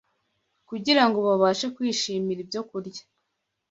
kugira ngo babashe kwishimira ibyokurya